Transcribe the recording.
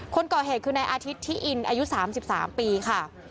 คนก่อเหตุคือนายอาทิตย์ที่อินอายุ๓๓ปีค่ะ